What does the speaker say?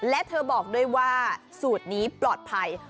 และเธอบอกด้วยว่าสูตรนี้ปลอดภัย